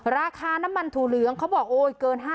ราคาน้ำมันถูเหลืองเขาบอก